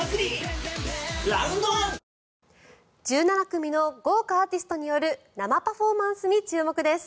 １７組の豪華アーティストによる生パフォーマンスに注目です。